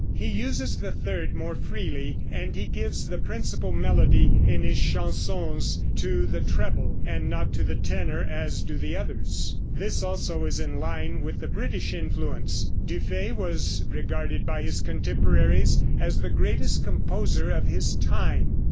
He uses the third more freely, and he gives the principal melody in his chansons to the treble, and not to the tenor, as do the others. This also is in line with the British influence. Dufay was regarded by his contemporaries as the greatest composer of his time.